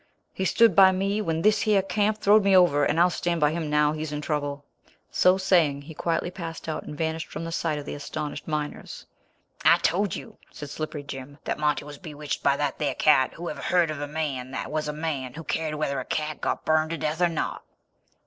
"He stood by me when thishyer camp throwed me over, and I'll stand by him now he's in trouble." So saying he quietly passed out and vanished from the sight of the astonished miners. "I told you," said Slippery Jim, "that Monty was bewitched by that there cat. Who ever heard of a man that was a man who cared whether a cat got burned to death or not?"